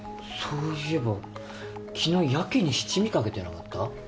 そういえば昨日やけに七味かけてなかった？